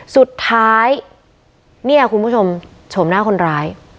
สุดท้ายเนี่ยคุณผู้ชมโฉมหน้าคนร้าย